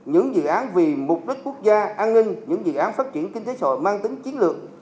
những dự án vì mục đích quốc gia an ninh những dự án phát triển kinh tế sội mang tính chiến lược